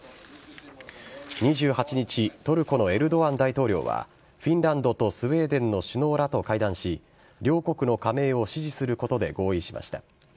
２８日トルコのエルドアン大統領はフィンランドとスウェーデンの首脳らと会談し両国の加盟を支持することで合意しました。